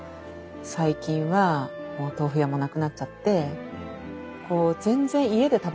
最近はもう豆腐屋もなくなっちゃって全然家で食べれなくなったって。